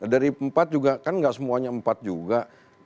dari empat juga kan gak semuanya empat juga